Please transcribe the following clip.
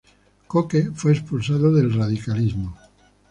Cooke fue expulsado del radicalismo.